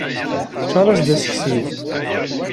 Ččar-as-d aseksiw.